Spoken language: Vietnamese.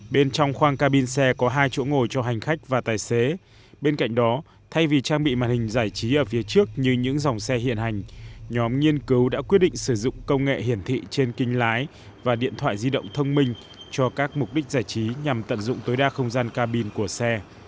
bên trong khoang cabin xe có hai chỗ ngồi cho hành khách và tài xế bên cạnh đó thay vì trang bị màn hình giải trí ở phía trước như những dòng xe hiện hành nhóm nghiên cứu đã quyết định sử dụng công nghệ hiển thị trên kinh lái và điện thoại di động thông minh cho các mục đích giải trí nhằm tận dụng tối đa không gian cabin của xe